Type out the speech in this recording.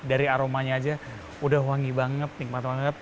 dari aromanya aja udah wangi banget nikmat banget